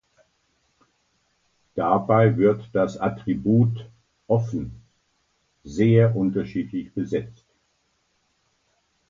Dabei wird das Attribut "offen" sehr unterschiedlich besetzt.